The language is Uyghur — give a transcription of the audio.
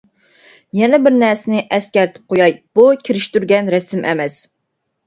يەنە بىرنەرسىنى ئەسكەرتىپ قوياي بۇ كىرىشتۈرگەن رەسىم ئەمەس!